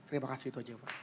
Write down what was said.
terima kasih itu saja pak